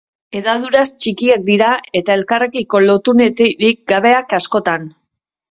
Hedaduraz txikiak dira eta elkarrekiko lotunerik gabeak askotan.